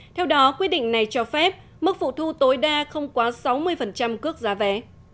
theo đó quyết định này cho phép mức phụ thu tối đa không quá sáu mươi cước giá vé